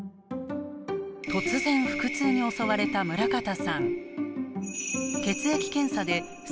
突然腹痛に襲われた村方さん。